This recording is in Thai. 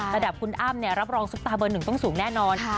ระดับคุณอ้ำรับรองซุปตาเบอร์หนึ่งต้องสูงแน่นอน